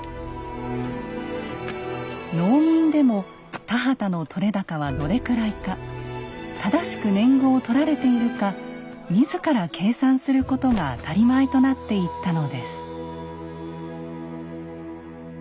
農民でも田畑の取れ高はどれくらいか正しく年貢を取られているか自ら計算することが当たり前となっていったのです。